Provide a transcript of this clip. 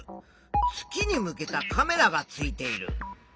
月に向けたカメラがついている。